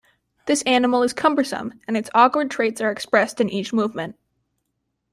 This animal is cumbersome and its awkward traits are expressed in each movement.